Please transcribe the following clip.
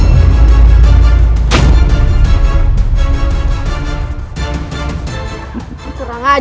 aku tidak akan melepaskan kau gizna sama